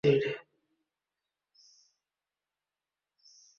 আমি একবার গিয়েছিলাম অই সাইটে।